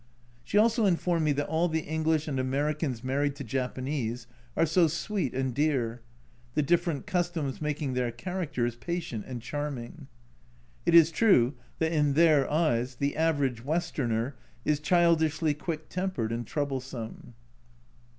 She also informed me that all the English and Americans married to Japanese are so "sweet and dear" the different customs making their characters patient and charming. It is true that in their eyes the average Westerner is childishly quick tempered and troublesome.